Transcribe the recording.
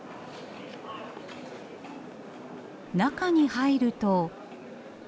中に入ると。